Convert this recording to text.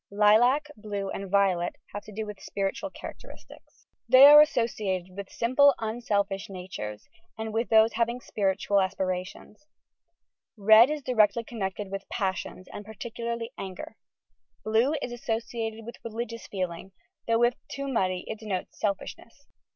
Lilac, blue and violet have to do with spiritual characteristica. ^ COLOUR AND ITS INTERPRETATION 101 They are associated with simple, unselfish natures, and with those having spiritual aspirations. Red is directly connected with passions, and particu larly anger. Blue is associated with religious feeling, though if too muddy it denotes selfishness.